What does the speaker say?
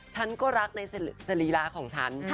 ฉันก็รักในสรีระของฉัน